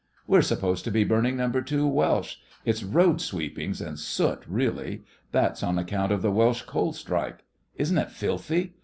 'We're supposed to be burning No. 2 Welsh. It's road sweepings and soot really. That's on account of the Welsh Coal Strike. Isn't it filthy?